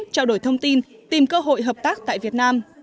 trao đổi thông tin tìm cơ hội hợp tác tại việt nam